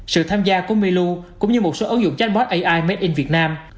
sự tham gia của melu cũng như một số ứng dụng chatbot ai made in việt nam